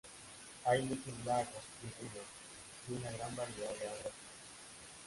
Hay muchos lagos y ríos y una gran variedad de aves acuáticas.